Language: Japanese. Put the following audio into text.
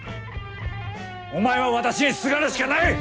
お前は私にすがるしかない！